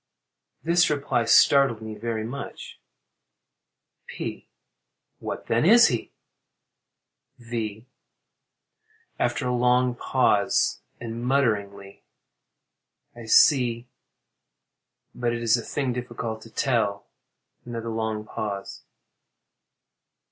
[This reply startled me very much.] P. What, then, is he? V. [After a long pause, and mutteringly.] I see—but it is a thing difficult to tell. [_Another long pause.